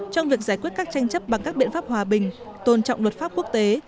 trong việc giải quyết các tranh chấp bằng các biện pháp hòa bình tôn trọng luật pháp quốc tế